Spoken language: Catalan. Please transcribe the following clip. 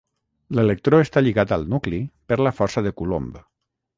L'electró està lligat al nucli per la força de Coulomb.